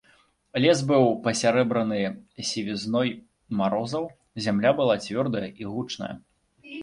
Лес быў пасярэбраны сівізной марозаў, зямля была цвёрдая і гучная.